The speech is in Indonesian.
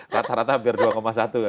rata rata hampir dua satu ya